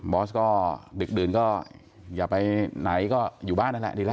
อสก็ดึกดื่นก็อย่าไปไหนก็อยู่บ้านนั่นแหละดีแล้ว